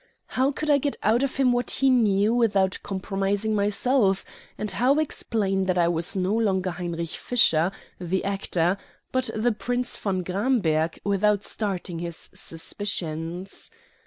How could I get out of him what he knew without compromising myself, and how explain that I was no longer Heinrich Fischer, the actor, but the Prince von Gramberg, without starting his suspicions?